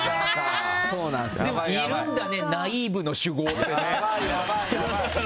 いるんだねナイーブの酒豪って。